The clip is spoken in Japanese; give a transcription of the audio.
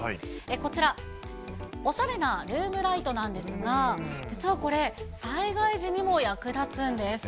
こちら、おしゃれなルームライトなんですが、実はこれ、災害時にも役立つんです。